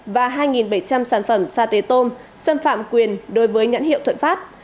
và hai bảy trăm linh sản phẩm sa tế tôm xâm phạm quyền đối với nhãn hiệu thuận phát